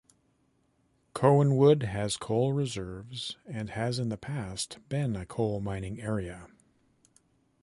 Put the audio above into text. Coanwood has coal reserves and has in the past been a coal mining area.